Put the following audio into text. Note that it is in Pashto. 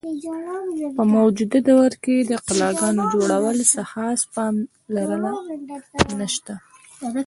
په موجوده دور کښې د قلاګانو جوړولو څۀ خاص پام لرنه نشته۔